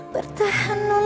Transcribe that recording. bertahan untuk bayang